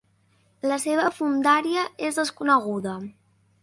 La seva fondària és desconeguda.